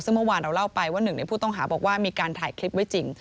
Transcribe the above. ซึ่งเมื่อวานเราเล่าไปว่าหนึ่งในผู้ต้องหาบอกว่ามีการถ่ายคลิปไว้จริง